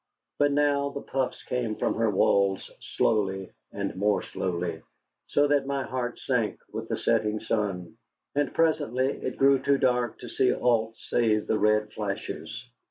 But now the puffs came from her walls slowly and more slowly, so that my heart sank with the setting sun. And presently it grew too dark to see aught save the red flashes.